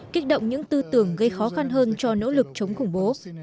kích động những tư tưởng gây khó khăn hơn cho nỗ lực chống khủng bố